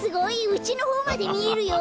うちのほうまでみえるよ！